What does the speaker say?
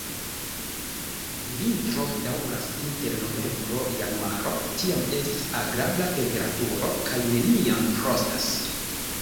Vintro daŭras inter novembro-januaro, tiam estas agrabla temperaturo kaj neniam frostas.